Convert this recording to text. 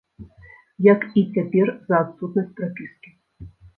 Як і цяпер за адсутнасць прапіскі.